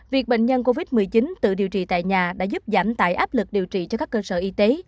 việc bệnh nhân covid một mươi chín tự điều trị tại nhà đã giúp giảm tải áp lực điều trị cho các cơ sở y tế